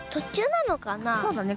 そうだね。